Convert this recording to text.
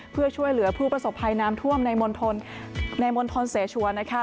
เพื่อช่วยเหลือผู้ประสบภัยน้ำท่วมในมณฑลเสชวน